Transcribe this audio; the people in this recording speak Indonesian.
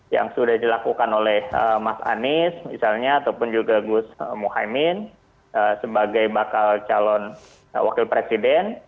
yang sudah dilakukan oleh mas anies misalnya ataupun juga gus muhaymin sebagai bakal calon wakil presiden